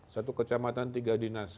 satu kecamatan tiga dinas